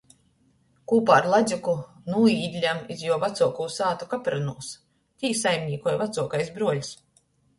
Kūpā ar Ladzuku nūīdļam iz juo vacuoku sātu Kapranūs. Tī saimnīkoj vacuokais bruoļs.